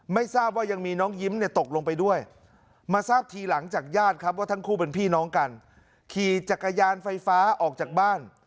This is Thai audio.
ไม่ทราบว่ายังมีน้องยิ้มเนี่ยตกลงไปด้วยมาทราบทีหลังจากญาติครับว่าทั้งคู่เป็นพี่น้องกันขี่จักรยานไฟฟ้าออกจากบ้าน